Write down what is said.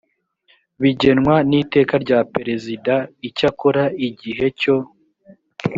bigenwa n iteka rya perezida icyakora igihe cyo